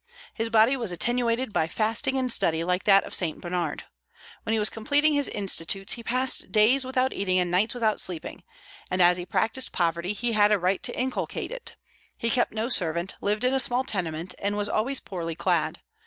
His body was attenuated by fasting and study, like that of Saint Bernard. When he was completing his "Institutes," he passed days without eating and nights without sleeping. And as he practised poverty he had a right to inculcate it. He kept no servant, lived in a small tenement, and was always poorly clad.